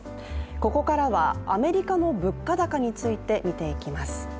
ここからは、アメリカの物価高について見ていきます。